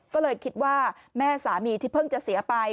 ก็เลยคิดว่าแม่สามีที่เพิ่งจะเสียไป